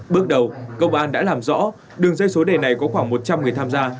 bước đầu công an đã làm rõ đường dây số đề này có khoảng một trăm linh người tham gia